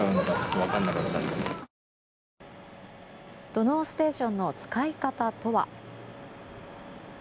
土のうステーションの使い方とは。